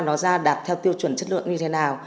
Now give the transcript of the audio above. nó ra đạt theo tiêu chuẩn chất lượng như thế nào